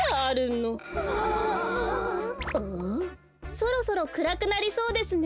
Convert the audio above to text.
そろそろくらくなりそうですね。